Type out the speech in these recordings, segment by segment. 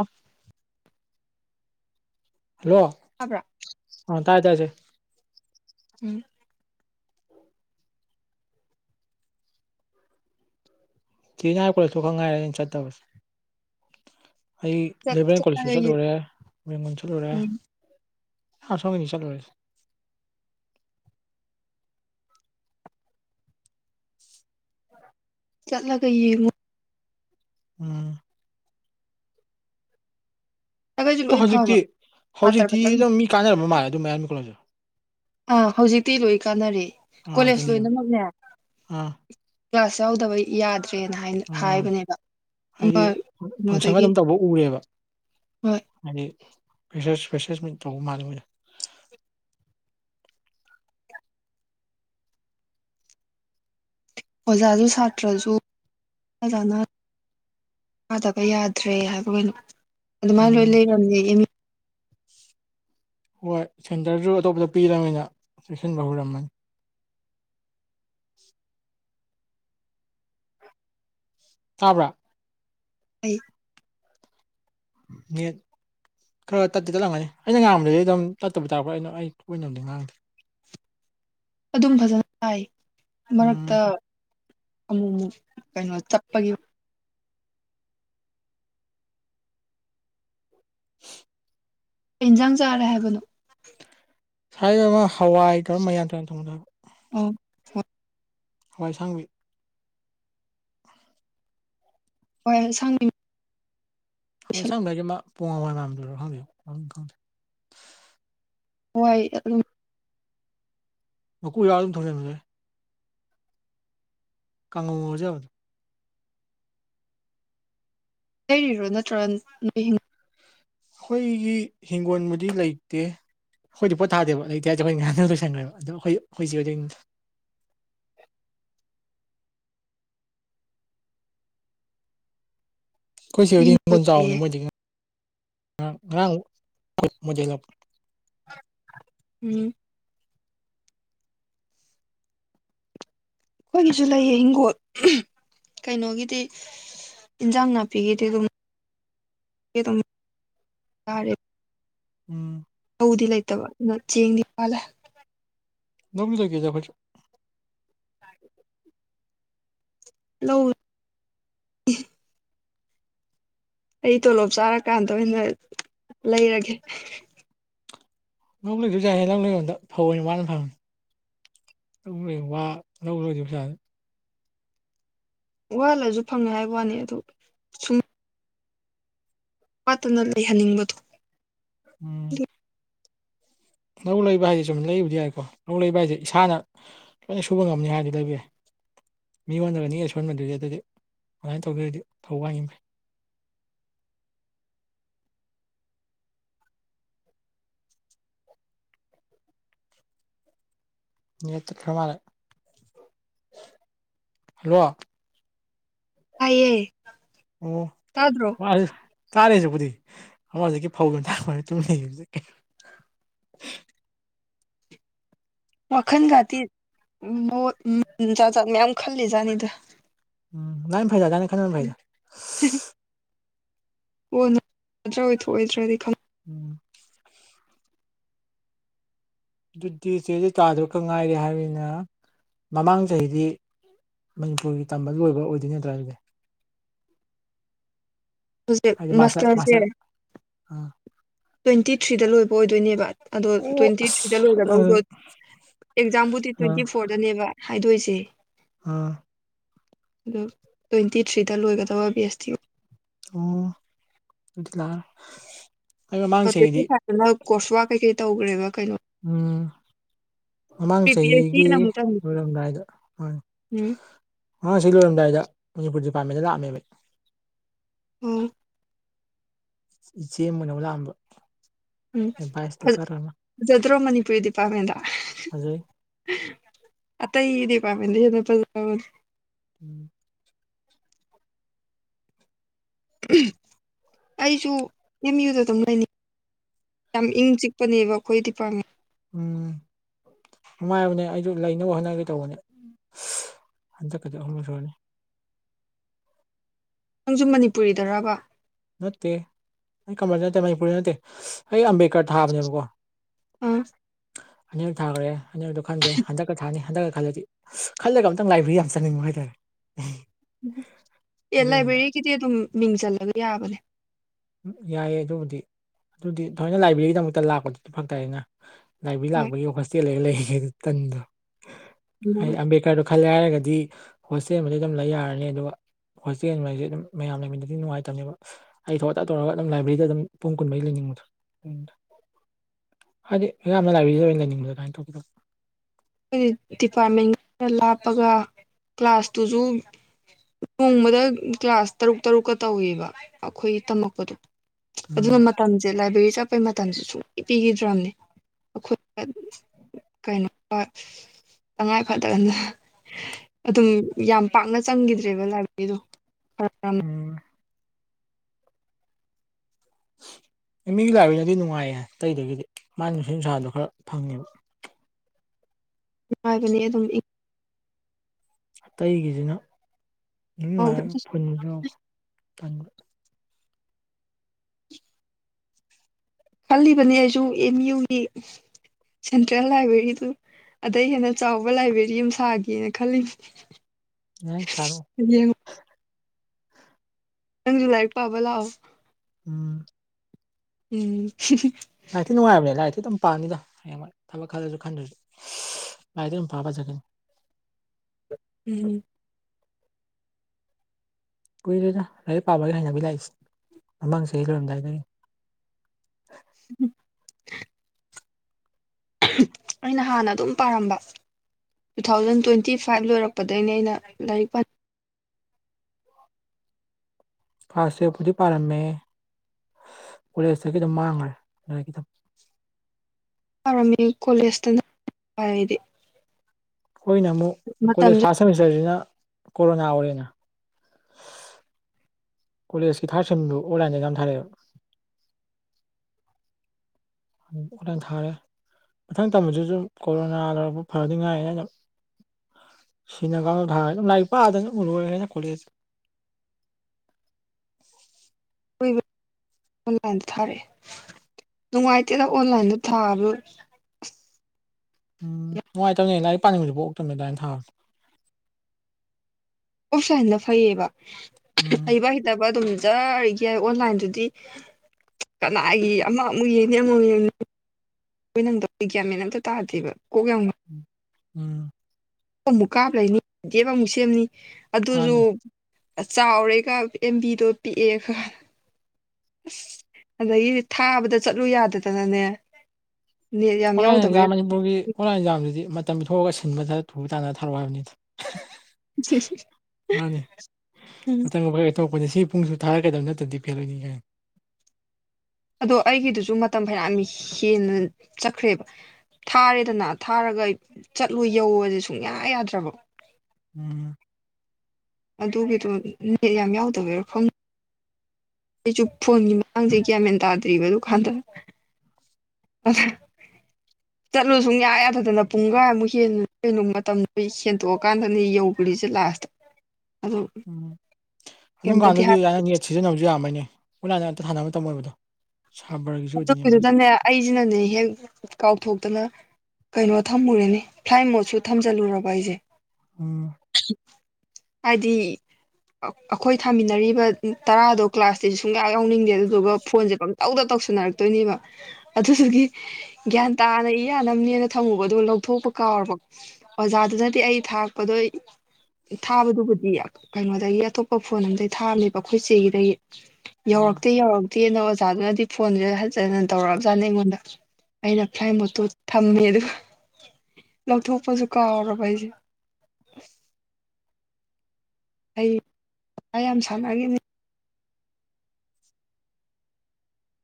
ꯑꯣ ꯍꯜꯂꯣ ꯇꯥꯕ꯭ꯔ ꯑꯣ ꯇꯥꯏꯌꯦ ꯇꯥꯏ ꯆꯦ ꯎꯝ ꯆꯦꯅ ꯍꯥꯏꯔꯛꯄꯗꯣ ꯊꯣ ꯈꯛ ꯉꯥꯏꯔꯦ ꯑꯩꯅ ꯆꯠꯇꯕꯁꯦ ꯑꯩ ꯆꯠ ꯂꯩꯕꯔꯦꯟ ꯀꯣꯂꯦꯖꯁꯨ ꯆꯠꯂꯒ ꯌꯦꯡ ꯆꯠꯂꯨꯔꯦ [unintelligible] ꯆꯠꯂꯨꯔꯦ ꯎꯝ ꯑꯥꯁꯣꯝꯒꯤꯁꯨ ꯆꯠꯂꯨꯔꯁꯤ ꯆꯠꯂꯒ ꯌꯦꯡꯉꯨ ꯎꯝ ꯆꯠꯂꯒꯁꯨ ꯇꯣ ꯂꯣꯏ ꯐꯕ ꯍꯧꯖꯤꯛꯇꯤ ꯁꯥꯇ꯭ꯔ ꯍꯧꯖꯤꯛꯇꯤ ꯈꯛꯇꯪ ꯑꯗꯨꯝ ꯃꯤ ꯀꯥꯟꯅꯔꯝꯕ ꯃꯥꯜꯂꯦ ꯑꯗꯨꯝ ꯃꯌꯥꯏ ꯂꯝꯕꯤ ꯀꯣꯜꯂꯦꯁꯇꯣ ꯑꯥ ꯍꯧꯖꯤꯛꯇꯤ ꯂꯣꯏ ꯀꯥꯟꯅꯔꯦ ꯑꯥ ꯀꯣꯂꯦꯖ ꯑꯗꯨꯅꯦꯕ ꯂꯣꯏꯅꯃꯛꯅꯦ ꯑꯥ ꯀ꯭ꯂꯥꯁ ꯌꯥꯎꯗꯕ ꯌꯥꯗ꯭ꯔꯦꯅ ꯑꯥ ꯍꯥꯏꯕꯅꯦꯕ ꯍꯥꯏꯗꯤ ꯑꯃ ꯐꯪꯁꯟꯒ ꯀꯩꯅꯣꯗꯒꯤ ꯑꯗꯨꯝ ꯇꯧꯕ ꯎꯔꯦꯕ ꯍꯣꯏ ꯍꯥꯏꯗꯤ ꯐ꯭ꯔꯦꯁꯔ ꯐ꯭ꯔꯦꯁꯔꯁꯃꯤꯠ ꯇꯧꯕ ꯃꯥꯜꯂꯤ ꯃꯣꯏꯗꯣ ꯑꯣꯖꯥꯁꯨ ꯁꯥꯇ꯭ꯔꯁꯨ ꯐꯖꯅ ꯀꯥꯗꯕ ꯌꯥꯗ꯭ꯔꯦ ꯍꯥꯏꯕ꯭ꯔ ꯀꯩꯅꯣ ꯑꯗꯨꯃꯥꯏꯅ ꯂꯣꯏ ꯎꯝ ꯂꯩꯔꯝꯅꯦ ꯑꯦꯝ ꯌꯨ ꯍꯣꯏ ꯁꯦꯟꯇꯔꯁꯨ ꯑꯇꯣꯞꯄꯗ ꯄꯤꯔꯕꯅꯤꯅ ꯆꯦꯛꯁꯤꯟꯕ ꯍꯧꯔꯝꯃꯅꯤ ꯇꯥꯕ꯭ꯔꯥ ꯑꯩ ꯅꯦꯠ ꯈꯔ ꯇꯠꯇꯤ ꯇꯠꯂꯝꯒꯅꯤ ꯑꯩꯅ ꯉꯥꯡꯕꯗꯨꯗꯤ ꯑꯗꯨꯝ ꯇꯠꯇꯕꯨ ꯇꯥꯔꯛꯄ ꯑꯩꯅ ꯑꯩ ꯀꯣꯏꯅꯕꯗꯤ ꯉꯥꯡꯗꯦ ꯑꯗꯨꯝ ꯐꯖꯅ ꯇꯥꯏ ꯎꯝ ꯃꯔꯛꯇ ꯑꯃꯨꯛ ꯑꯃꯨꯛ ꯀꯩꯅꯣ ꯆꯞꯄꯒꯤ [unintelligible] ꯀꯩ ꯏꯟꯖꯥꯡ ꯆꯥꯔꯦ ꯍꯥꯏꯕꯅꯣ ꯉꯁꯥꯏ ꯑꯃ ꯍꯋꯥꯏ ꯇꯧꯔ ꯃꯌꯥꯟ-ꯇꯨꯌꯥꯟ ꯊꯣꯡꯕꯗꯣ ꯑꯣ ꯍꯣꯏ ꯍꯋꯥꯏꯑꯁꯥꯡꯕꯤ ꯍꯋꯥꯏ ꯑꯁꯥꯡꯕꯤ ꯍꯋꯥꯏ ꯑꯁꯥꯡꯕꯤ ꯍꯥꯏꯁꯤ ꯑꯃ ꯄꯣꯡ ꯍꯋꯥꯏ ꯃꯟꯕꯗꯨꯔ ꯈꯪꯗꯦ ꯃꯃꯤꯡ ꯈꯪꯗꯦ ꯍꯣꯏ ꯑꯗꯨꯝ ꯃꯀꯨ ꯌꯥꯎꯔ ꯑꯗꯨꯝ ꯊꯧꯖꯟꯕꯗꯨꯅꯦ ꯀꯥꯡꯉꯧ ꯉꯧꯔꯁꯨ ꯌꯥꯕꯗꯣ ꯂꯩꯔꯤꯔꯣ ꯅꯠꯇ꯭ꯔ ꯅꯣꯏ ꯍꯤꯡ ꯑꯈꯣꯏꯒꯤ ꯍꯤꯡꯒꯣꯟꯕꯨꯗꯤ ꯂꯩꯇꯦ ꯑꯩꯈꯣꯏꯗꯤ ꯄꯣꯠ ꯊꯥꯗꯦꯕ ꯂꯩꯇꯦ ꯍꯥꯏꯁꯦ ꯑꯩꯈꯣꯏ ꯉꯥꯅꯨ ꯂꯣꯏꯁꯟꯈ꯭ꯔꯦꯕ ꯑꯗꯨ ꯑꯗꯨ ꯑꯩꯈꯣꯏꯆꯦ ꯍꯣꯏꯗꯩꯅꯤ ꯑꯩꯈꯣꯏ ꯆꯦ ꯍꯣꯏꯗꯤ ꯍꯤꯡꯒꯣꯜ ꯆꯥꯎꯕꯅꯦ ꯃꯣꯏꯗꯒꯤ ꯉꯔꯥꯡ ꯉꯔꯥꯡ ꯃꯣꯏꯗꯩ ꯂꯧꯔꯛꯄ ꯎꯝ ꯑꯈꯣꯏꯒꯤꯁꯨ ꯂꯩꯌꯦ ꯏꯤꯡꯒꯣꯜ ꯀꯩꯅꯣꯒꯤꯗꯤ ꯏꯟꯖꯥꯡ ꯅꯥꯄꯤꯒꯤꯗꯤ ꯑꯗꯨꯝ [unintelligible] ꯎꯝ ꯂꯧꯗꯤ ꯂꯩꯇꯕ ꯑꯗꯨꯅ ꯆꯦꯡꯗꯤ ꯋꯥꯜꯂꯦ ꯅꯣꯡ ꯂꯩ ꯀꯦꯗꯈꯣꯏ ꯂꯧ ꯑꯩ ꯇꯣꯂꯣꯞ ꯆꯥꯔꯀꯥꯟꯗ ꯑꯣꯏꯅ ꯂꯩꯔꯒꯦ ꯂꯧ ꯂꯩꯗ꯭ꯔꯁꯨ ꯌꯥꯏ ꯍꯦ ꯂꯧ ꯂꯩꯗꯧꯗ ꯐꯧ ꯑꯣꯏꯅ ꯋꯥꯜꯂ ꯊꯝ ꯂꯧꯔꯣꯏ ꯋꯥ ꯂꯧꯔꯣꯏꯗꯤ ꯋꯥꯍꯜꯂꯁꯨ ꯐꯪꯉꯦ ꯍꯥꯏꯕ ꯋꯥꯅꯤ ꯑꯗꯨ ꯁꯨꯝ ꯋꯥꯠꯇꯅ ꯂꯩꯍꯟꯅꯤꯡꯕꯗꯣ ꯎꯝ ꯑꯗꯨ ꯂꯧ ꯂꯩꯕ ꯍꯥꯏꯁꯦ ꯁꯨꯝ ꯂꯩꯕꯗꯤ ꯌꯥꯏꯀꯣ ꯂꯧ ꯂꯩꯕ ꯍꯥꯏꯁꯦ ꯏꯁꯥꯅ ꯂꯣꯏꯅ ꯁꯨꯕ ꯉꯝꯅꯤ ꯍꯥꯏꯔꯗꯤ ꯂꯩꯕ ꯌꯥꯏ ꯃꯤ ꯌꯣꯟꯗꯒ ꯅꯦꯛꯑ ꯁꯨꯍꯟ ꯕꯗꯨꯗꯤ ꯑꯗꯨꯃꯥꯏꯅ ꯇꯧꯗꯣꯏꯗꯤ ꯐꯧ ꯋꯥꯟꯒꯤꯕꯅ ꯐꯩ ꯅꯦꯠ ꯇꯥꯠꯈ꯭ꯔꯥ ꯃꯥꯜꯂꯦ ꯍꯜꯂꯣ ꯍꯥꯏꯌꯦ ꯑꯣ ꯇꯥꯔꯦ ꯍꯧꯖꯤꯛꯕꯨꯗꯤ ꯑꯃ ꯍꯧꯖꯤꯛꯒꯤ ꯐꯧꯒꯤ ꯃꯇꯥꯡ ꯇꯨꯃꯤꯟ ꯂꯩꯒꯤꯕꯗꯨꯗ ꯋꯥꯈꯟ ꯒꯥꯗꯤ ꯃꯣꯠ ꯖꯥꯠ-ꯖꯥꯠ ꯃꯌꯥꯝ ꯈꯜꯂꯤ ꯖꯥꯠꯅꯤꯗ ꯎꯝ ꯑꯗꯥꯏ ꯐꯩꯗ ꯑꯗꯥꯏ ꯈꯟꯕꯅ ꯐꯩꯗ [unintelligible] ꯑꯣꯗ꯭ꯔꯥ ꯑꯣꯏꯊꯣꯛꯑꯣꯏꯗ꯭ꯔꯗꯤ ꯈꯪ ꯎꯝ ꯑꯗꯨꯗꯤ ꯆꯦ ꯏꯖꯦꯇꯥꯗꯣ ꯈꯛ ꯉꯥꯏꯔꯦ ꯍꯥꯏꯕꯅꯤꯅ ꯃꯃꯥꯡ ꯆꯍꯤꯗꯤ ꯃꯅꯤꯄꯨꯔꯒꯤ ꯇꯝꯕ ꯂꯣꯏꯕ ꯑꯣꯏꯗꯣꯏ ꯅꯠꯇ꯭ꯔꯥ ꯑꯗꯨꯗꯤ ꯍꯧꯖꯤꯛ ꯍꯥꯏꯗꯤ ꯃꯥꯁꯇꯔ ꯃꯁꯇꯥ꯭ꯔ ꯁꯦ ꯃꯥꯁꯇꯔ ꯑꯥ ꯇ꯭ꯋꯦꯟꯇꯤ ꯊ꯭ꯔꯤꯗ ꯂꯣꯏꯕ ꯑꯣꯏꯗꯣꯏꯅꯦꯕ ꯑꯗꯣ ꯑꯣ ꯇ꯭ꯋꯦꯟꯇꯤ ꯊ꯭ꯔꯤꯗ ꯑꯁ ꯂꯣꯏꯒꯗꯧꯕꯗꯣ ꯑꯥ ꯑꯦꯛꯖꯥꯝꯕꯨꯗꯤ ꯑꯥ ꯇ꯭ꯋꯦꯟꯇꯤ ꯐꯣꯔꯗꯅꯦꯕ ꯍꯥꯏꯗꯣꯛꯏꯁꯦ ꯑꯥ ꯑꯗꯣ ꯇ꯭ꯋꯦꯟꯇꯤ ꯊ꯭ꯔꯤꯗ ꯂꯣꯏꯒꯗꯕ ꯕꯦꯁꯇꯤ ꯑꯣ ꯑꯩ ꯃꯃꯥꯡ ꯆꯍꯤꯗꯤ ꯍꯧꯖꯤꯛꯇꯤ ꯐꯥꯖꯟꯅ ꯀꯣꯔꯁ ꯋꯥꯛ ꯀꯩꯀꯩ ꯇꯧꯈ꯭ꯔꯦꯕ ꯀꯩꯅꯣ ꯎꯝ ꯃꯃꯥꯡ ꯄꯤ ꯄꯤ ꯑꯩꯆ ꯆꯍꯤꯒꯤ ꯗꯤꯅ ꯑꯃꯨꯛ ꯇꯝꯃꯤꯁꯦ ꯂꯣꯏꯔꯝꯗꯥꯏꯗ ꯃꯅꯤ ꯎꯝ ꯃꯃꯥꯡ ꯆꯥꯍꯤ ꯂꯣꯏꯔꯝꯗꯥꯏꯗ ꯃꯅꯤꯄꯨꯔ ꯗꯤꯄꯥꯔꯠꯃꯦꯟꯗ ꯂꯥꯛꯑꯝꯃꯦꯕ ꯎꯝ ꯏꯆꯦ ꯃꯨꯅꯧ ꯂꯥꯛꯑꯝꯕ ꯎꯝ ꯑꯦꯗꯚꯥꯏꯁ ꯏꯁꯇꯤꯀꯔ ꯑꯃ ꯐꯖꯗ꯭ꯔꯣ ꯃꯅꯤꯄꯨꯔꯤ ꯗꯤꯄꯥꯔꯠꯃꯦꯟꯗ ꯐꯖꯩ ꯑꯇꯩ ꯗꯤꯄ꯭ꯥꯠꯃꯦꯟꯗꯩ ꯍꯦꯟꯅ ꯐꯖꯥꯕꯅꯦ ꯎꯝ ꯑꯩꯁꯨ ꯑꯦꯝ ꯌꯨꯗ ꯑꯗꯨꯝ ꯂꯩꯅꯤꯡ ꯌꯥꯝ ꯏꯪ ꯆꯤꯛꯄꯅꯦꯕ ꯑꯩꯈꯣꯏ ꯗꯤꯄꯥꯔꯠꯃꯦꯟ ꯎꯝ ꯅꯨꯡꯉꯥꯏꯕꯅꯦ ꯑꯩꯁꯨ ꯂꯩꯅꯕ ꯍꯣꯠꯅꯒꯦ ꯇꯧꯕꯅꯦ ꯍꯟꯗꯛꯀꯗꯤ ꯑꯍꯨꯝꯂꯛ ꯁꯨꯔꯅꯤ ꯅꯪꯁꯨ ꯃꯅꯤꯄꯨꯔꯤꯗꯔꯕ ꯅꯠꯇꯦ ꯑꯩ ꯀꯃꯁꯨ ꯅꯠꯇꯦ ꯃꯅꯤꯄꯨꯔꯤꯁꯨ ꯅꯠꯇꯦ ꯑꯩ ꯑꯝꯕ ꯀꯔ ꯊꯥꯕꯅꯦꯕꯀꯣ ꯑꯥ ꯑꯅꯤꯔ ꯊꯥꯈ꯭ꯔꯦ ꯑꯅꯤꯔꯗꯨꯣ ꯈꯟꯗꯦ ꯍꯟꯗꯛꯀ ꯊꯥꯅꯤ ꯍꯟꯗꯛꯀ ꯈꯜꯂꯗꯤ ꯈꯜꯂꯒ ꯑꯝꯇꯪ ꯂꯥꯏꯕ꯭ꯔꯦꯔꯤ ꯌꯥꯝ ꯆꯠꯅꯤꯡꯕꯨ ꯍꯥꯏꯇꯥꯔꯦ꯫ ꯎ ꯑꯦ ꯑꯗꯨꯒꯤꯅꯤꯗ ꯂꯥꯏꯕ꯭ꯔꯦꯔꯤꯒꯤꯗꯤ ꯑꯗꯨꯝ ꯃꯤꯡ ꯆꯜꯂꯒ ꯌꯥꯕꯅꯦ꯫ ꯌꯥꯏꯑꯌꯦ ꯑꯗꯨꯕꯨꯗꯤ ꯑꯗꯨꯗꯤ ꯊꯑꯣꯏꯅ ꯂꯥꯏꯕ꯭ꯔꯦꯔꯤꯒꯤꯗꯃꯛꯇ ꯂꯥꯛꯄꯗꯨꯗꯤ ꯐꯥꯔꯛ ꯇꯌꯦꯗꯅ꯫ ꯂꯥꯏꯕꯤ ꯍꯣꯏ ꯂꯥꯛꯄꯒꯤ ꯍꯣꯁꯇꯦꯜꯗꯒ ꯂꯩꯌꯦ ꯇꯟꯗꯣ ꯑꯩ ꯑꯝꯕꯦꯗꯀꯔꯗ ꯈꯜꯂꯦ ꯍꯥꯏꯔꯒꯗꯤ ꯍꯣꯁꯇꯦꯜ ꯑꯃꯗꯤ ꯑꯗꯨꯝ ꯂꯩ ꯌꯥꯔꯅꯤ ꯑꯗꯨꯒ꯫ ꯍꯣꯁꯇꯦꯜ ꯃꯩꯁ ꯑꯗꯨꯝ ꯃꯌꯥꯝ ꯂꯩꯃꯤꯟꯅꯗꯤ ꯅꯨꯡꯉꯥꯏꯇꯕꯅꯦꯕ ꯑꯩ ꯆꯠꯇꯧꯔꯒ ꯑꯗꯨꯝ ꯂꯥꯏꯕ꯭ꯔꯦꯔꯤꯗ ꯑꯗꯨꯝ ꯄꯨꯡ ꯀꯨꯟꯃꯔꯤ ꯂꯩꯅꯤꯡꯕꯗꯣ꯫ ꯍꯥꯏꯗꯤ ꯌꯥꯝꯅꯥꯏꯕꯦꯔꯤꯗ ꯑꯣꯏꯅꯅꯤꯡꯕꯣꯃꯅ ꯇꯧꯕꯗꯣ꯫ ꯑꯩꯈꯣꯏ ꯗꯤꯄꯥꯔꯠꯃꯦꯟ ꯂꯥꯞꯄꯒ ꯀ꯭ꯂꯥꯁꯇꯨꯁꯨ꯫ ꯅꯣꯡꯃꯗ ꯀ꯭ꯂꯥꯁ ꯇꯔꯨꯛ ꯇꯔꯨꯛꯀ ꯇꯧꯋꯦꯕ ꯑꯩꯈꯣꯏꯒꯤ ꯇꯝꯃꯛꯄꯗꯣ꯫ ꯎꯝ ꯑꯗꯨꯅ ꯃꯇꯝꯁꯦ ꯂꯥꯏꯕ꯭ꯔꯦꯔꯤ ꯆꯠꯄꯩ ꯃꯇꯝꯁꯨ ꯁꯨꯡ ꯄꯤꯈꯤꯗ꯭ꯔꯝꯅꯦ꯫ ꯍꯣꯏ ꯇꯉꯥꯏꯐꯗꯅ꯫ ꯑꯗꯨꯝ ꯌꯥꯝ ꯄꯥꯛꯅ ꯆꯪꯈꯤꯗ꯭ꯔꯦꯕ ꯂꯥꯏꯕ꯭ꯔꯦꯔꯤꯗꯣ [unintelligible] ꯎꯝ ꯃꯤꯒꯤ ꯂꯥꯏꯕꯔꯤꯗꯗꯤ ꯅꯨꯡꯉꯥꯏꯌꯦ ꯑꯇꯩꯗꯒꯤꯗꯤ ꯃꯥꯒꯤ ꯅꯨꯡꯁꯤ ꯅꯨꯡꯁꯥꯗꯣ ꯈꯔ ꯐꯪꯉꯦꯕ꯫ ꯅꯨꯡꯉꯥꯏꯕꯅꯦ ꯑꯗꯨꯝ ꯏꯪ ꯑꯇꯩꯒꯤꯁꯤꯅ ꯉꯥꯏꯔꯒ ꯐꯨꯟꯁꯨ ꯇꯟꯕ꯫ ꯈꯜꯂꯤꯕꯅꯦ ꯑꯩꯁꯨ ꯑꯦꯝ ꯌꯨꯒꯤ ꯁꯦꯟꯇ꯭ꯔꯦꯜ ꯂꯥꯏꯕ꯭ꯔꯦꯔꯤꯗꯨ꯫ ꯑꯗꯩ ꯍꯦꯟꯅ ꯆꯥꯎꯕ ꯂꯥꯏꯕ꯭ꯔꯦꯔꯤ ꯑꯃ ꯁꯥꯒꯦꯅ ꯈꯜꯂꯤꯕꯅꯤ꯫ ꯌꯥ ꯁꯔꯣ꯫ ꯌꯦ ꯅꯪꯁꯨ ꯂꯥꯏꯔꯤꯛ ꯄꯥꯕ ꯂꯥꯛꯑꯣ꯫ ꯎꯝ꯫ ꯎꯝ꯫ ꯂꯥꯏꯇꯤ ꯉꯥꯏꯕꯅꯦ ꯂꯥꯏꯗꯤ ꯑꯗꯨꯝ ꯄꯥꯅꯤꯗ ꯍꯌꯦꯡ ꯋꯥꯏ ꯊꯕꯛ ꯈꯜꯂꯁꯨ ꯈꯥꯟꯗꯔꯁꯨ ꯂꯥꯏꯔꯤꯛꯇꯤ ꯑꯗꯨꯝ ꯄꯥ ꯄꯥ ꯆꯥꯠꯀꯅꯤ꯫ ꯎꯝ꯫ ꯀꯨꯏꯔꯦꯗ ꯂꯥꯏꯔꯤꯛ ꯄꯥꯕꯒꯤ ꯍꯩꯅꯕꯤ ꯂꯥꯛꯏꯔꯤꯁꯦ ꯃꯃꯥꯡ ꯆꯍꯤ ꯂꯣꯏꯔꯝꯗꯥꯏꯗꯒꯤ꯫ [unintelligible] ꯑꯩꯅ ꯍꯥꯟꯅ ꯑꯗꯨꯝ ꯄꯥꯔꯝꯕ꯫ ꯇꯨ ꯊꯥꯎꯖꯟ ꯇ꯭ꯋꯦꯟꯇꯤ ꯐꯥꯏꯚ ꯂꯣꯏꯔꯛꯄꯗꯒꯤꯅꯦ ꯑꯩꯅ ꯂꯥꯏꯔꯤꯛ ꯄꯥ ꯐꯥꯁꯁꯦꯕꯨꯗꯤ ꯄꯥꯔꯝꯃꯦ ꯀꯣꯂꯦꯖꯇ ꯈꯤꯇꯝ ꯃꯥꯡꯈ꯭ꯔꯦ [unintelligible] ꯄꯥꯔꯝꯃꯤ ꯀꯣꯂꯦꯖꯇꯅ ꯄꯥꯏ ꯑꯩꯗꯤ꯫ ꯑꯩꯈꯣꯏꯅ ꯑꯃꯨꯛ ꯀꯣꯂꯦꯖ ꯃꯇꯝꯁꯦ ꯐꯥꯔꯁ ꯁꯦꯃꯤꯁꯇꯔꯁꯤꯅ ꯀꯣꯔꯣꯅꯥ ꯑꯣꯏꯔꯦꯅ꯫ ꯀꯣꯂꯦꯁꯀꯤ ꯊꯔ ꯁꯤꯝꯗꯨ ꯑꯣꯟꯂꯟ ꯑꯦꯂꯥꯏꯟꯗ ꯑꯦꯛꯖꯝ ꯊꯔꯛꯑꯦꯕ꯫ ꯑꯣꯗꯪ ꯊꯥꯔꯦ꯫ ꯃꯊꯪ ꯇꯝꯝꯕꯁꯨ ꯁꯨꯝ ꯀꯣꯔꯣꯅꯥ ꯂꯣꯏꯔꯛꯄ ꯐꯔꯗ ꯉꯥꯏꯔꯤ ꯑꯩꯅ ꯁꯤꯅ ꯀꯥꯡꯅ ꯊꯥ ꯑꯗꯨ ꯂꯥꯏꯔꯤꯛ ꯄꯥꯛꯥꯗꯅꯝ ꯂꯔꯦꯗ ꯀꯣꯂꯦꯁ꯫ ꯑꯣꯂꯥꯏꯟꯗ ꯊꯥꯔꯛꯑꯦ ꯅꯨꯡꯉꯥꯏꯇꯦꯗ ꯑꯣꯟꯂꯥꯏꯟꯗ ꯊꯥꯕ꯫ ꯎꯝ ꯅꯨꯡꯉꯥꯏꯇꯕꯅꯤꯅꯦ ꯂꯥꯏꯔꯤꯛ ꯄꯥꯅꯤꯡꯕꯗꯨ ꯄꯣꯛꯛꯇꯕꯅꯤ ꯑꯗꯨꯃꯥꯏꯅ ꯊꯥꯕꯗꯨ꯫ ꯑꯣꯐꯂꯥꯏꯟꯗ ꯐꯩꯌꯦꯕ ꯎꯝ ꯍꯩꯕ ꯍꯩꯇꯕ ꯑꯗꯨꯝ ꯖꯔꯤꯒ ꯌꯥ ꯑꯣꯟꯂꯥꯏꯟꯗꯨꯗꯤ꯫ ꯀꯅꯥꯒꯤ ꯑꯃ ꯑꯃꯨꯛ ꯌꯦꯡꯅꯤ ꯑꯃꯨꯛ ꯌꯦꯡꯅꯤ꯫ ꯅ ꯑꯩ ꯒ꯭ꯌꯥꯃꯦꯟ ꯑꯇ ꯇꯥꯗꯦꯕ ꯀꯣꯛ ꯌꯥꯝ ꯉꯥꯎ ꯎꯝ꯫ ꯑꯃꯨꯛ ꯀꯥꯞ ꯂꯩꯅꯤ ꯖꯦꯞ ꯑꯃꯨꯛ ꯁꯦꯝꯅꯤ ꯑꯗꯨꯁꯨ꯫ ꯃꯥꯅꯤ ꯆꯥꯎꯔꯦꯒ ꯑꯦꯝꯕꯤꯗꯣ ꯄꯤꯛꯑꯦꯒ꯫ ꯑꯁ ꯑꯗꯒꯤ ꯊꯥꯕꯗ ꯆꯠꯂꯨ ꯌꯥꯗꯗꯅꯅꯦ ꯅꯦꯠ ꯌꯥꯝ ꯑꯣꯟꯂꯥꯏꯟ ꯌꯥꯎꯗꯕꯩ ꯑꯦꯛꯖꯥꯝ ꯃꯅꯤꯄꯨꯔꯒꯤ ꯑꯣꯟꯂꯥꯏꯟ ꯑꯦꯛꯖꯥꯝꯗꯨꯗꯤ ꯃꯇꯝ ꯄꯤꯊꯣꯛꯑꯒ ꯁꯤꯟꯕꯗ ꯊꯨꯕ ꯇꯥꯟꯅ ꯊꯥꯔꯛꯑꯣ ꯍꯥꯏꯕꯅꯤ ꯃꯥꯅꯦ ꯎꯝ ꯃꯊꯡ ꯍꯧꯌꯦ ꯑꯇꯣꯞꯄꯗ ꯁꯤ ꯄꯨꯡꯁꯨ ꯊꯥꯔꯛꯀꯗꯕꯅꯦ ꯅꯠꯇꯗꯤ ꯐꯦꯜ ꯑꯣꯏꯅꯤ ꯌꯥꯥꯏꯑꯣ ꯑꯗꯣ ꯑꯩꯒꯤꯗꯨꯁꯨ ꯃꯇꯝ ꯐꯅꯌꯥꯝ ꯍꯦꯟꯅ ꯆꯠꯈ꯭ꯔꯦꯕ ꯊꯥꯔꯦꯗꯅ ꯊꯥꯔꯒ ꯆꯠꯂꯨ ꯌꯧꯑꯣꯁꯦ ꯁꯨꯡꯌꯥ ꯌꯥꯗ꯭ꯔꯕ ꯎꯝ ꯑꯗꯨꯒꯤꯗꯣ ꯅꯦꯠ ꯌꯥꯝ ꯌꯥꯎꯗꯕꯩꯔ ꯈꯪꯗꯦꯕ ꯑꯩꯁꯨ ꯐꯣꯟꯒꯤ ꯃꯇꯥꯡꯁꯦ ꯒꯤꯌꯥꯟ ꯃꯦꯟ ꯇꯥꯗ꯭ꯔꯤꯕ ꯑꯗꯨ ꯀꯥꯟꯗ ꯑꯍꯥ ꯆꯠꯂꯨ ꯁꯨꯡꯌꯥ ꯌꯥꯗꯗꯅ ꯄꯨꯡ ꯈꯥꯏꯃꯨꯛ ꯍꯦꯟꯅ ꯀꯩꯅꯨ ꯃꯇꯝꯗꯣ ꯍꯦꯟꯇꯣꯛꯑ ꯀꯥꯟꯗꯅꯦ ꯌꯧꯈꯔꯤꯁꯦ ꯂꯥꯁꯇ [inaudible] ꯎꯝ ꯀꯩꯝꯇꯗꯤ ꯑꯗꯨꯝꯀꯥꯟꯗꯨꯗꯤ ꯍꯥꯏ ꯑꯗꯨꯅ ꯅꯦꯠ ꯁꯤꯖꯤꯟꯅꯕꯁꯨ ꯌꯥꯝꯔꯃꯣꯏꯅꯦ ꯑꯣꯟꯂꯥꯏꯟ ꯉꯥꯛꯇ ꯁꯥꯅꯕ ꯃꯇꯝ ꯑꯣꯏꯕꯗꯣ ꯁꯥꯏꯕꯔ ꯑꯗꯨꯒꯤꯗꯨꯗꯅꯦ ꯑꯩꯁꯤꯅꯅꯦ ꯍꯦꯛ ꯀꯥꯎꯊꯣꯛꯇꯅ ꯀꯩꯅꯣ ꯊꯝꯃꯨꯔꯦꯅꯦ ꯐ꯭ꯂꯥꯏ ꯃꯣꯠꯁꯨ ꯊꯝꯖꯜꯂꯨꯔꯕ ꯑꯩꯁꯦ ꯎꯝ ꯍꯥꯏꯗꯤ ꯑꯩꯈꯣꯏ ꯊꯥꯃꯤꯟꯅꯔꯤꯕ ꯇꯔꯥꯗꯣ ꯀ꯭ꯂꯥꯁꯇꯤ ꯁꯨꯡꯌꯥꯎ ꯌꯥꯎꯅꯤꯡꯗꯦ ꯑꯗꯨꯗꯨꯒ ꯐꯣꯟꯁꯦ ꯄꯪꯇꯧꯗ ꯇꯧꯁꯟꯂꯛꯄ ꯃꯨꯅꯔꯛꯇꯣꯏꯅꯦꯕ ꯑꯗꯨꯗꯨꯗꯤ ꯒꯤꯌꯥꯟ ꯇꯥꯅ ꯏꯌꯥꯅꯕꯅꯦꯅ ꯊꯝꯃꯨꯕꯗꯣ ꯂꯧꯊꯣꯛꯄ ꯀꯥꯎꯔꯕ ꯑꯣꯖꯥꯗꯨꯅꯗꯤ ꯑꯩ ꯊꯥꯔꯛꯄꯗꯣ ꯊꯥꯕꯕꯨꯗꯤ ꯀꯩꯅꯣꯗꯒꯤ ꯑꯇꯣꯞꯄ ꯐꯣꯟ ꯑꯝꯗꯒꯤ ꯊꯥꯕꯅꯦꯕ ꯑꯩꯈꯣꯏ ꯆꯦꯒꯤꯗꯒꯤ ꯑꯥ ꯌꯧꯔꯛꯇꯦ ꯌꯧꯔꯛꯇꯦꯅ ꯑꯣꯖꯥꯗꯨꯅꯗꯤ ꯐꯣꯟꯁꯦ ꯍꯟꯖꯟ ꯍꯟꯖꯟ ꯇꯧꯔꯛꯑꯕ ꯖꯥꯠꯅꯤ ꯑꯩꯉꯣꯟꯗ ꯑꯩꯅ ꯐ꯭ꯂꯥꯏ ꯃꯣꯠꯇꯣ ꯊꯝꯃꯦ ꯑꯗꯨꯒ ꯂꯧꯊꯣꯛꯄꯁꯨ ꯀꯥꯎꯔꯕ ꯑꯩꯁꯦ ꯑꯩ ꯌꯥꯝ ꯁꯥꯟꯅꯈꯤꯅꯤ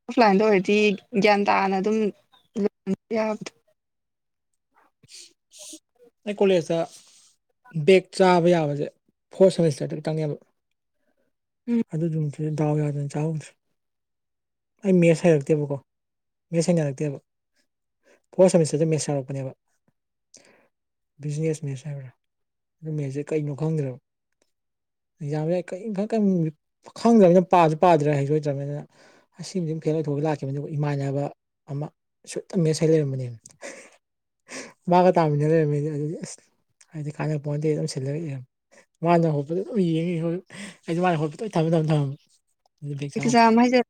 ꯑꯣꯐꯂꯥꯏꯟꯗ ꯑꯣꯏꯔꯗꯤ ꯒꯤꯌꯥꯟ ꯇꯥꯅ ꯑꯗꯨꯝ ꯇꯧꯕ ꯌꯥꯕ [inaudible] ꯑꯩ ꯀꯣꯂꯦꯖꯇ ꯕꯦꯛ ꯆꯥꯕ ꯌꯥꯕꯁꯦ ꯐꯣꯔꯠ ꯁꯦꯃꯤꯁꯇꯔꯗꯨꯗꯡꯅꯦꯕ ꯎꯝ ꯑꯗꯨ ꯅꯨꯃꯤꯠꯇꯨꯅ ꯗꯥꯎ ꯌꯥꯗꯅ ꯆꯥꯍꯧꯗ꯭ꯔꯦ ꯑꯩ ꯃꯦꯠꯁ ꯍꯥꯏꯔꯛꯇꯦꯕꯀꯣ ꯃꯦꯠꯁ ꯍꯩꯅꯔꯛꯇꯦꯕ ꯐꯣꯔꯠ ꯁꯦꯃꯤꯁꯇꯔꯗ ꯃꯦꯠꯁ ꯍꯡꯉꯛꯄꯅꯦꯕ ꯕꯤꯖꯤꯅꯦꯁ ꯃꯦꯠꯁ ꯍꯥꯏꯕ꯭ꯔꯥ ꯑꯗꯨ ꯃꯦꯠꯁꯦ ꯀꯩꯅꯣ ꯈꯪꯗ꯭ꯔꯕ ꯑꯧꯛꯖꯥꯝꯅꯦꯅ ꯀꯔꯤꯝ ꯈꯪꯗ꯭ꯔꯕꯅꯤꯅ ꯄꯥꯁꯨ ꯄꯥꯗ꯭ꯔꯦ ꯍꯩꯁꯨ ꯍꯩꯇ꯭ꯔꯕꯅꯤꯅ ꯑꯁꯤꯃꯗꯤ ꯐꯦꯜ ꯑꯣꯏꯊꯣꯛꯑꯒ ꯂꯥꯛꯈꯤꯕꯅꯤ ꯑꯗꯨꯒ ꯏꯃꯥꯟꯅꯕ ꯑꯃ ꯁꯨꯠꯇ ꯃꯦꯠꯁ ꯍꯩ ꯂꯩꯔꯝꯕꯅꯦꯕ ꯃꯥꯒ ꯇꯥꯃꯤꯟꯅ ꯂꯩꯔꯝꯃꯦꯗꯤ ꯑꯗꯨꯗꯤ ꯑꯁ ꯍꯥꯏꯗꯤ ꯀꯥꯟꯅꯕ ꯄꯣꯠꯇꯦꯅ ꯑꯗꯨꯝ ꯁꯤꯜꯂ ꯏꯔꯝꯃꯦ ꯃꯥꯅ ꯍꯣꯠꯄꯗ ꯑꯗꯨꯝ ꯌꯦꯡꯉꯤ ꯑꯩ ꯑꯩꯁꯨ ꯃꯥꯅ ꯍꯣꯠꯄꯗ ꯑꯩ ꯊꯝꯕ ꯃꯇꯝꯝ ꯊꯝꯃ ꯑꯗꯨ ꯕꯦꯛ ꯆꯥꯍꯧꯗ꯭ꯔꯦ ꯑꯦꯛꯖꯥꯝ ꯍꯥꯏꯁꯦ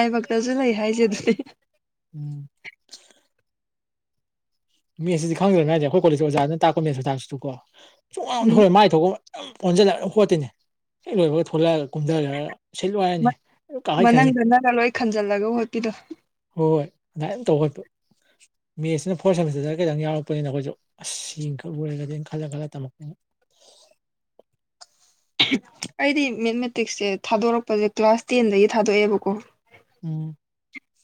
ꯂꯥꯏꯕꯛꯇꯁꯨ ꯂꯩ ꯍꯥꯏꯁꯦ ꯑꯗꯨꯗꯅꯦ ꯎꯝ ꯃꯦꯠꯁꯤꯗꯤ ꯈꯪꯗ꯭ꯔꯅ ꯉꯥꯏꯁꯦ ꯑꯩꯈꯣꯏ ꯀꯣꯂꯦꯖꯀꯤ ꯑꯣꯖꯥꯅ ꯇꯥꯛꯄ ꯃꯦꯁ ꯈꯨꯇꯥꯛꯁꯨꯀꯣ ꯁꯨꯡꯑꯣꯟ ꯎꯝ ꯟꯣꯟꯊꯣꯟꯑꯣꯏ ꯃꯥꯏꯁꯦ ꯃꯥ ꯊꯣꯛꯄ ꯑꯃ ꯑꯣꯟꯁꯤꯜꯂꯛ ꯈꯣꯠꯇꯣꯏꯅꯤ ꯍꯦꯛ ꯂꯣꯏꯕꯒ ꯊꯣꯛꯂꯛꯑꯒ ꯀꯨꯝꯊꯈ꯭ꯔꯒ ꯁꯤꯟꯂꯨ ꯍꯥꯏꯔꯅꯤ ꯀꯥꯈꯠꯈ꯭ꯔꯅꯤ ꯃꯅꯪꯗꯅꯒ ꯂꯣꯏ ꯈꯟꯖꯜꯂꯒ ꯍꯣꯠꯄꯤꯗꯣ ꯍꯣꯏ ꯍꯣꯏ ꯑꯗꯨꯃꯥꯏꯅ ꯇꯧꯋꯥꯠꯄ ꯃꯦꯠꯁꯤꯅ ꯐꯣꯔꯠ ꯁꯦꯝꯃꯤꯁꯇꯔꯗꯡ ꯈꯤꯇꯪ ꯌꯥꯎꯔꯛꯄꯅꯤꯅ ꯑꯩꯈꯣꯏꯁꯨ ꯑꯁ ꯁꯤꯈꯛ ꯂꯣꯏꯔꯒꯗꯤ ꯈꯜꯂ ꯈꯜꯂ ꯇꯝꯃꯛꯄꯅꯦ ꯑꯩꯗꯤ ꯃꯦꯠꯃꯦꯇꯤꯛꯁꯁꯦ ꯊꯥꯗꯣꯔꯛꯄꯁꯦ ꯀ꯭ꯂꯥꯁ ꯇꯦꯟꯗꯒꯤ ꯊꯥꯗꯣꯛꯑꯦꯕꯀꯣ ꯎꯝ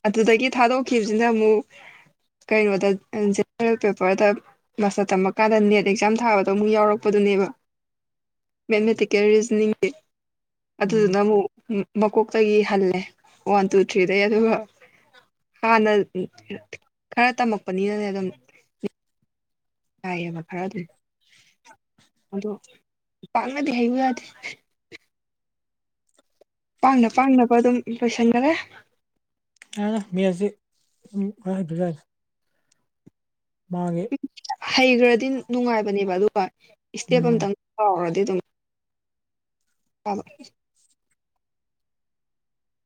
ꯑꯗꯨꯗꯒꯤ ꯊꯥꯗꯣꯛꯈꯤꯕꯁꯤꯅ ꯑꯃꯨꯛ ꯀꯩꯅꯣꯗ ꯖꯦꯔꯦꯜ ꯄꯦꯄꯔꯗ ꯃꯥꯁꯇꯔ ꯇꯝꯃ ꯀꯥꯟꯗ ꯅꯦꯠ ꯑꯦꯛꯖꯥꯝ ꯊꯥꯕꯗ ꯑꯃꯨꯛ ꯌꯥꯎꯛꯄꯗꯨꯅꯦꯕ ꯃꯦꯠꯃꯦꯇꯤꯀꯦꯜ ꯔꯤꯖꯅꯤꯡꯒꯤ ꯎꯝ ꯑꯗꯨꯗꯨꯅ ꯑꯃꯨꯛ ꯃꯀꯣꯛꯇꯒꯤ ꯍꯜꯂꯦ ꯋꯥꯟ ꯇꯨ ꯊ꯭ꯔꯤꯗꯩ ꯑꯗꯨꯒ ꯍꯥꯟꯅ ꯈꯔ ꯇꯝꯃꯛꯄꯅꯤꯅꯅꯦ ꯑꯗꯨꯝ ꯌꯥꯏꯑꯕ ꯈꯔ ꯑꯗꯨꯝ ꯑꯗꯣ ꯄꯥꯛꯅꯗꯤ ꯍꯩꯌꯨ ꯌꯥꯗꯦ ꯄꯥꯡꯅ ꯄꯥꯡꯅꯕ ꯑꯗꯨꯝ ꯂꯣꯏꯁꯟꯈ꯭ꯔꯦ ꯌꯥꯔꯦꯗ ꯃꯦꯁꯖꯤ ꯃꯥꯒꯤ ꯍꯩꯈ꯭ꯔꯗꯤ ꯅꯨꯡꯉꯥꯏꯕꯅꯦꯕ ꯑꯗꯨꯒ ꯏꯁꯇꯦꯞ ꯎꯝ ꯑꯇꯪ ꯀꯥꯎꯔꯗꯤ ꯑꯗꯨꯝ ꯍꯣꯏ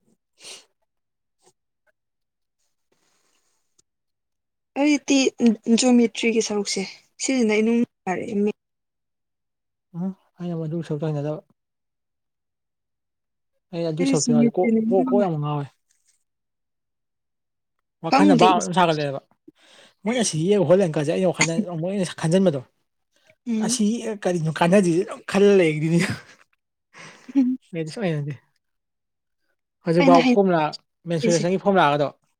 [unintelligible] ꯑꯩꯇꯤ ꯖꯨꯃꯦꯇ꯭ꯔꯤꯒꯤ ꯁꯔꯨꯛꯁꯦ ꯁꯤꯁꯤꯅ ꯏꯅꯨꯡꯅꯨꯡꯉꯥꯏꯔꯦ ꯎꯝ ꯑꯩꯅ ꯃꯅꯨꯡ ꯁꯔꯨꯛ ꯇꯥꯏꯟꯗꯕ ꯑꯩ ꯑꯗꯨ ꯁꯛꯔꯨꯇꯨ ꯌꯧꯔꯗꯤ ꯀꯣꯛ ꯀꯣꯛ ꯀꯣꯛ ꯌꯥꯝ ꯉꯥꯎꯋꯦ ꯋꯥꯈꯜꯅ ꯈꯪꯗꯦ ꯚꯥꯕ ꯑꯗꯨꯝ ꯁꯥꯒꯠꯂꯛꯑꯦꯕ ꯃꯣꯏꯅ ꯁꯤ ꯌꯦꯛꯏ ꯍꯣꯠꯂꯤ ꯑꯪꯀꯁꯦ ꯑꯩ ꯋꯥꯈꯜꯗ ꯑꯃꯨꯛ ꯍꯦꯟꯅ ꯈꯟꯖꯟꯕꯗꯣ ꯎꯝ ꯑꯁꯤ ꯌꯦꯛꯑ ꯀꯔꯤꯕꯨ ꯀꯥꯟꯅꯗꯣꯏꯅꯣ ꯑꯗꯨꯝ ꯈꯜꯂ ꯂꯩꯗꯣꯏꯅꯤ ꯍꯝ ꯃꯦꯁ ꯑꯣꯏꯅꯅꯦ ꯑꯩꯅ ꯍꯧꯖꯤꯛꯐꯥꯎ ꯐꯣꯝꯃꯨꯂꯥ ꯍꯩꯅꯔꯤꯁꯦ ꯃꯦꯟꯁꯨꯔꯦꯁꯟꯒꯤ ꯐꯣꯝꯂꯥꯑꯒꯗꯣ